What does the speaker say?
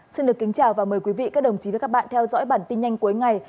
xin được kính chào và mời quý vị các đồng chí và các bạn theo dõi bản tin nhanh cuối ngày